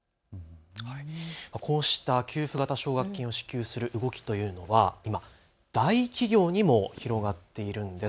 こうした給付型奨学金を支給する動きというのは今、大企業にも広がっているんです。